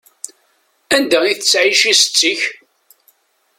Anda i tettƐic setti-k?